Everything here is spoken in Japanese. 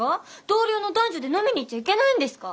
同僚の男女で飲みに行っちゃいけないんですか？